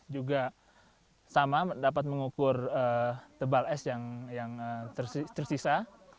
juga sama dapat mengukur tebal es yang tersisa